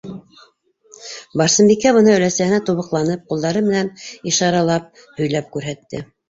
- Барсынбикә быны өләсәһенә тубыҡланып, ҡулдары менән ишаралап һөйләп күрһәтте.